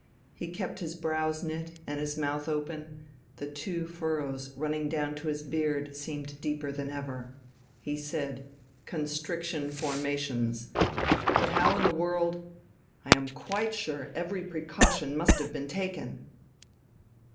He kept his brows knit and his mouth open: the two furrows running down to his beard seemed deeper than ever. He said: "Constriction formations, ... but how in the world ... I am quite sure every precaution must have been taken